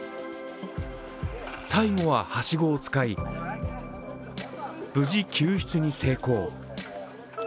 最後ははしごを使い、無事、救出に成功。